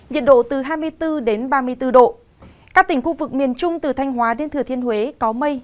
nhiệt độ từ hai mươi bốn ba mươi bốn độ các tỉnh khu vực miền trung từ thanh hóa đến thừa thiên huế có mây